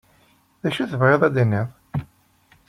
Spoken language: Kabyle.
D acu i tebɣiḍ ad d-tiniḍ?